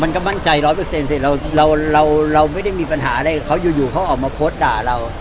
มันก็มั่นใจร้อยเปอร์เซ็นสิเราเราไม่ได้มีปัญหาอะไรกับเขาอยู่เขาออกมาโพสต์ด่าเรา